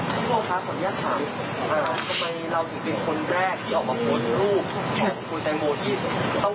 แปลงโบคะขออนุญาตถามทำไมเราถึงเป็นคนเดียว